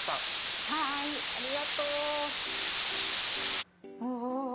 はいありがとう。お。